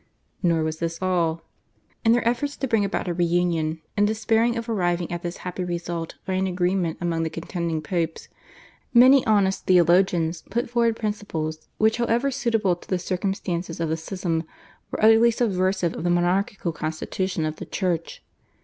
Nor was this all. In their efforts to bring about a reunion, and despairing of arriving at this happy result by an agreement among the contending Popes, many honest theologians put forward principles, which, however suitable to the circumstances of the schism, were utterly subversive of the monarchical constitution of the Church.